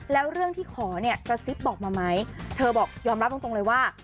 แล้วเรื่องที่ขอเนี่ยกระซิบบอกมาไหมเธอบอกยอมรับตรงเลยว่า